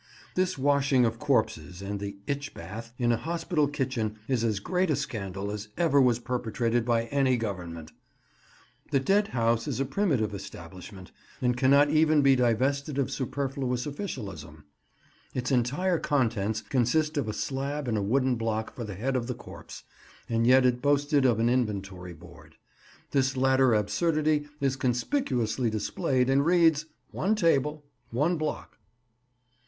This washing of corpses and the "itch bath" in a hospital kitchen is as great a scandal as ever was perpetrated by any Government. The dead house is a primitive establishment, and cannot even be divested of superfluous officialism. Its entire contents consist of a slab and a wooden block for the head of the corpse, and yet it boasted of an inventory board. This latter absurdity is conspicuously displayed, and reads— "ONE TABLE." "ONE BLOCK."